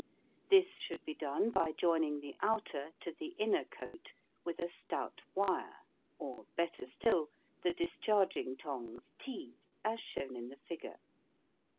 This should be done by joining the OUTER to the INNER coat with a stout wire, or, better still, the discharging tongs T, as shown in the figure.